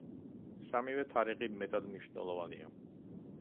სამივე თარიღი მეტად მნიშვნელოვანია.